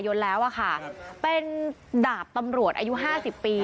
แล้วอะค่ะเป็นดาบตำรวจอายุห้าสิบปี